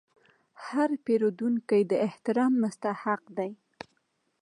هر پیرودونکی د احترام مستحق دی.